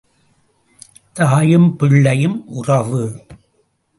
தாயும் பிள்ளையும் உறவு.